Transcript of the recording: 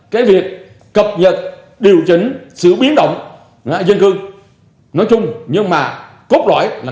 cái việc cập nhật điều chỉnh sự biến động dân cư nói chung nhưng mà cốt lõi là